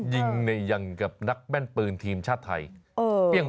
ยิงเนี่ยยังกับนักแม่นปืนทีมชาติไทย